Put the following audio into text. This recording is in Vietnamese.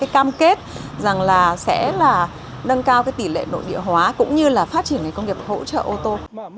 cam kết rằng là sẽ là nâng cao tỷ lệ nội địa hóa cũng như là phát triển ngành công nghiệp hỗ trợ ô tô